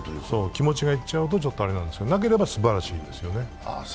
気持ちがいっちゃうとあれなんですよ、なければ、すばらしいですね。